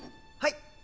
はい。